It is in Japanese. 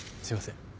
すいません。